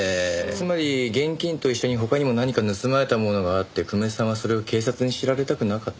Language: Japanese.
つまり現金と一緒に他にも何か盗まれたものがあって久米さんはそれを警察に知られたくなかった。